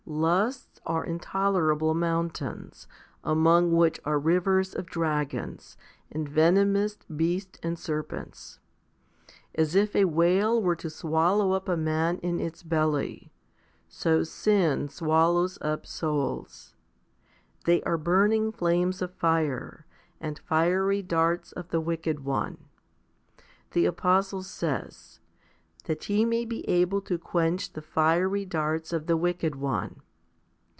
Lusts are intolerable mountains, among which are rivers of dragons 2 and venom ous beasts and serpents. As if a whale were to swallow up a man in its belly, so sin swallows up souls. They are burning flames of fire, and fiery darts of the wicked one. The apostle says, That ye may be able to quench the fiery darts of the wicked one.